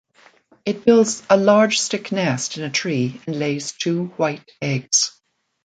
It builds a large stick nest in a tree and lays two white eggs.